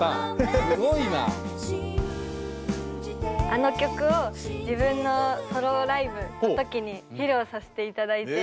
あの曲を自分のソロライブの時に披露させていただいて。